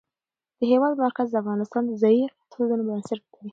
د هېواد مرکز د افغانستان د ځایي اقتصادونو بنسټ دی.